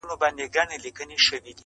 غوجله تياره فضا لري ډېره